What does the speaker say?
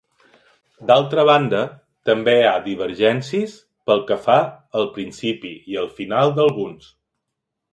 D'altra banda, també hi ha divergències pel que fa al principi i al final d'alguns.